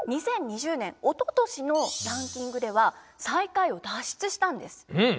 ２０２０年おととしのランキングでは最下位を脱出したんです。